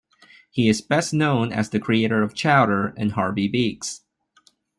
He is best known as the creator of "Chowder" and "Harvey Beaks".